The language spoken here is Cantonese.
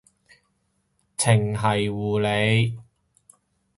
程繫護理